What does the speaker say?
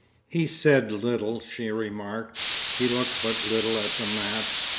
He said little, she remarked. He looked but little at the maps.